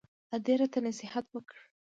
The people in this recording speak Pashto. ادې راته نصيحت وکړ.